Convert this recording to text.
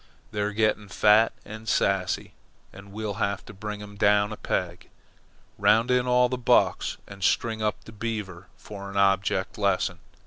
"They're getting fat and sassy, and we'll have to bring them down a peg. Round in all the bucks and string up the Beaver for an object lesson.